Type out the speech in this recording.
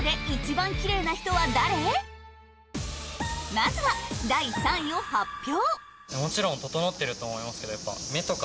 まずは第３位を発表